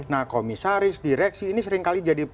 nah komisaris direksi ini seringkali jadi